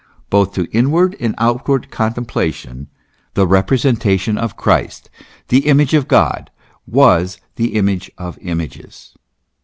Both to inward and out ward contemplation the representation of Christ, the Image of God, was the image of images.